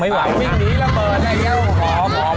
อีกนิดนึง